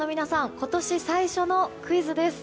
今年最初のクイズです。